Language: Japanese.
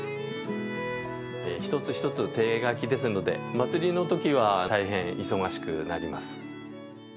一つ一つ手がきですので祭りのときは大変忙しくなります